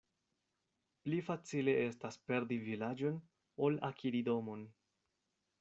Pli facile estas perdi vilaĝon, ol akiri domon.